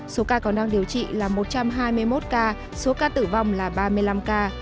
số ca còn đang điều trị là một trăm hai mươi một ca số ca tử vong là ba mươi năm ca